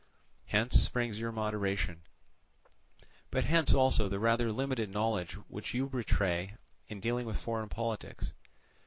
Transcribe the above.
Hence springs your moderation, but hence also the rather limited knowledge which you betray in dealing with foreign politics.